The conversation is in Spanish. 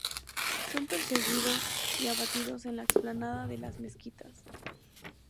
Son perseguidos y abatidos en la Explanada de las Mezquitas.